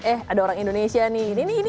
eh ada orang indonesia nih ini